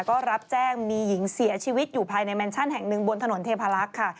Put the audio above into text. ก็รับแจ้งมีหญิงเสียชีวิตอยู่ภายในแมนชั่นแห่งหนึ่งบนถนนเทพาลักษณ์ค่ะ